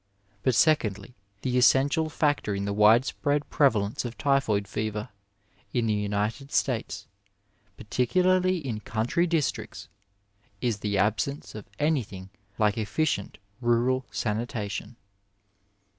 But, secondly, the essential factor in the widespread prevalence of typhoid fever in the United States, particularly in country districts, is the absence of anything like efficient rural sanitation.